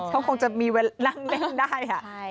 เขาคงจะมีเวลานั่งเล่นได้